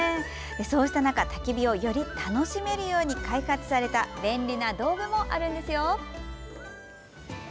そうした中たき火をより楽しめるように開発された便利な道具もあります。